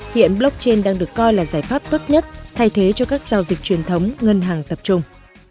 hiện blockchain đang được coi là giải pháp tốt nhất thay thế cho các giao dịch truyền thống ngân hàng tập trung